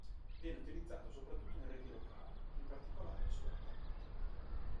Viene utilizzato soprattutto in reti locali, in particolare su Ethernet.